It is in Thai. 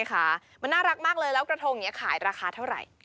กระทงเนี่ยกาสตัวบังเค้าให้ปลาก็กิน